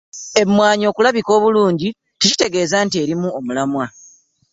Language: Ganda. Emwanyi okulabika obulungi tekitegeeza nti erimu omulamwa .